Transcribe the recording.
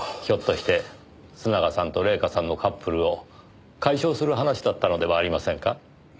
ひょっとして須永さんと礼夏さんのカップルを解消する話だったのではありませんか？